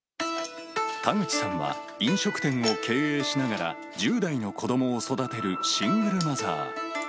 田口さんは、飲食店を経営しながら、１０代の子どもを育てるシングルマザー。